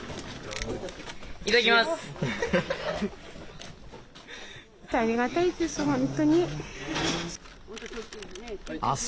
いただきます。